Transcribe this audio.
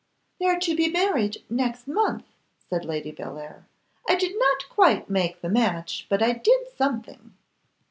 'They are to be married next month,' said Lady Bellair. 'I did not quite make the match, but I did something.